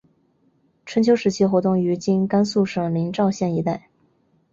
春秋时期活动于今甘肃省临洮县一带。